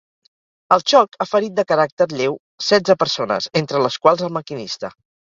El xoc ha ferit de caràcter lleu setze persones, entre les quals el maquinista.